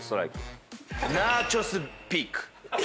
ナーチョスピーク。